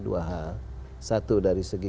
dua hal satu dari segi